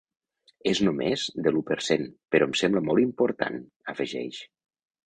“És només de l’u per cent, però em sembla molt important”, afegeix.